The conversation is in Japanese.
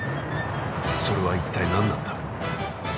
それは一体何なんだ？